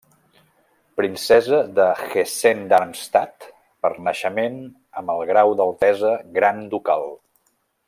Princesa de Hessen-Darmstadt per naixement amb el grau d'altesa gran ducal.